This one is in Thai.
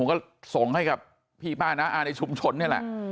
ก็ส่งให้กับพี่ป้าน้าอาในชุมชนนี่แหละ